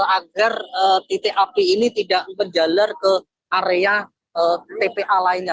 agar titik api ini tidak menjalar ke area tpa lainnya